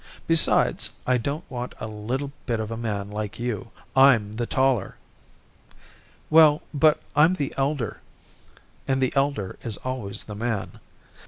Besides, I don't want a little bit of a man like you. I'm the taller." "Well, but I'm the elder, and the elder is always the man."